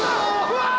うわ！